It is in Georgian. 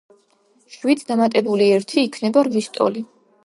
შვიდს დამატებული ერთი იქნება რვის ტოლი.